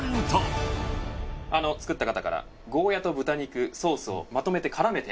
作った方からゴーヤと豚肉ソースをまとめて絡めて。